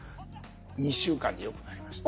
２週間でよくなりました。